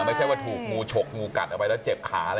ไม่ใช่ว่าถูกงูฉกงูกัดเอาไปแล้วเจ็บขาอะไรอย่างนั้น